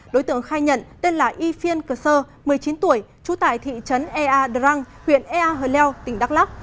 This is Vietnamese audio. đối tượng khai nhận tên là yifien kerser một mươi chín tuổi trú tại thị trấn ea drang huyện ea hờ leo tỉnh đắk lắc